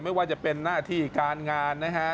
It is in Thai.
ไม่ว่าจะเป็นหน้าที่การงานนะฮะ